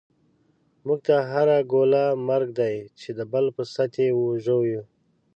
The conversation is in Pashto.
موږ ته هره ګوله مرګ دی، چی دبل په ست یی ژوویو